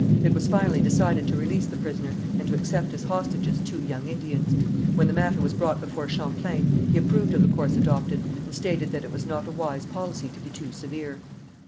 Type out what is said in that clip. It was finally decided to release the prisoner and to accept as hostages two young Indians. When the matter was brought before Champlain, he approved of the course adopted, and stated that it was not a wise policy to be too severe.